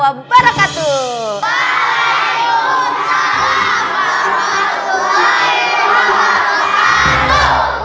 waalaikumsalam warahmatullahi wabarakatuh